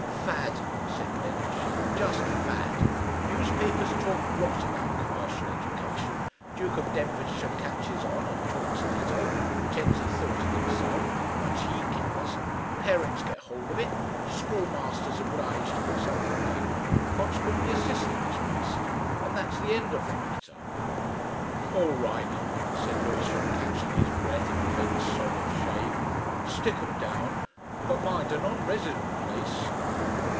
"Fad," said Blendershin, "Just fad. Newspapers talk rot about commercial education, Duke of Devonshire catches on and talks ditto pretends he thought it himself much he cares parents get hold of it schoolmasters obliged to put something down, consequently assistants must. And that's the end of the matter!" "All right," said Lewisham, catching his breath in a faint sob of shame, "Stick 'em down. But mind a non resident place."